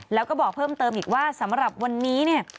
แล้วก็บอกเพิ่มเติมอีกว่าสำหรับวันนี้เนี่ย